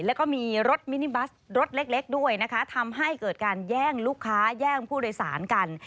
แล้วก็มีรถมินิบัสรถเล็กด้วยนะคะทำให้เกิดการแย่งลูกค้าแย่งผู้โดยสารกัน